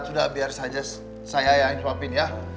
sudah biar saja saya yang nyuapin ya